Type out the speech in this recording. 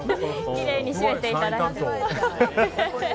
きれいに締めていただいて。